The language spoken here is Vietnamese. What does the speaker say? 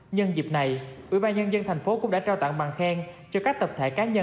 nhân dịp này ủy ban nhân dân thành phố cũng đã trao tặng bằng khen cho các tập thể cá nhân